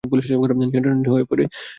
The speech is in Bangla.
নিয়ন্ত্রণহীন হয়ে পড়েছ তুমি।